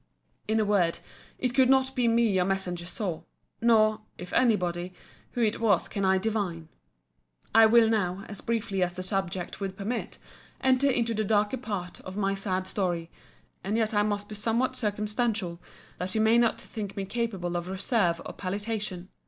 In a word, it could not be me your messenger saw; nor (if any body) who it was can I divine. I will now, as briefly as the subject will permit, enter into the darker part of my sad story: and yet I must be somewhat circumstantial, that you may not think me capable of reserve or palliation.